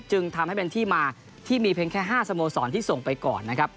จึงทำให้เป็นที่มาที่มีเพียงแค่๕สโมสรที่ส่งไปก่อนนะครับ